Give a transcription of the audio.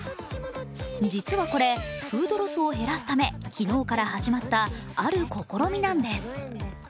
実はこれ、フードロスを減らすため昨日から始まったある試みです。